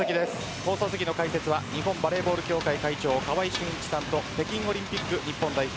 放送席の解説は日本バレーボール協会会長川合俊一さんと北京オリンピック日本代表